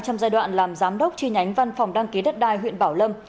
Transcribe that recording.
trong giai đoạn làm giám đốc chi nhánh văn phòng đăng ký đất đai huyện bảo lâm